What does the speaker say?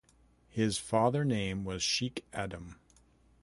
His father name was Shiekh Adam.